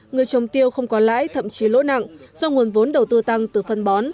người trồng tiêu không có lãi thậm chí lỗ nặng do nguồn vốn đầu tư tăng từ phân bón